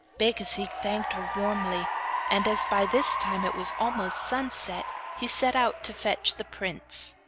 Becasigue thanked her warmly, and as by this time it was almost sunset, he set out to fetch the prince.